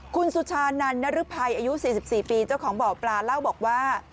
คุณสุชานันนรึภัยอายุ๔๔ปีเจ้าของบ่อปลาเล่าบอกว่า